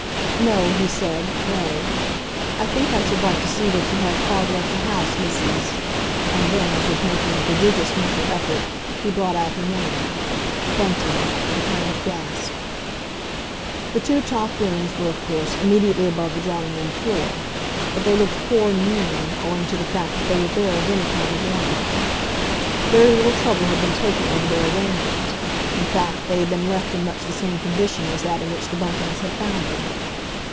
"No," he said, "no. I think I should like to see what you have farther up the house, Mrs.—," and then, as if making a prodigious mental effort, he brought out her name, "Bunting," with a kind of gasp. The two top rooms were, of course, immediately above the drawing room floor. But they looked poor and mean, owing to the fact that they were bare of any kind of ornament. Very little trouble had been taken over their arrangement; in fact, they had been left in much the same condition as that in which the Buntings had found them.